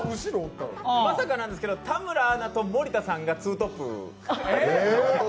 まさかなんですけど田村アナと森田さんがツートップ。